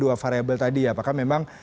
dua variable tadi ya apakah memang